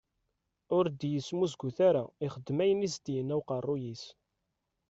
Ur d-yesmuzgut ara, ixeddem ayen i as-d-yenna uqerruy-is.